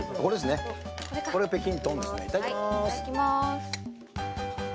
いただきます。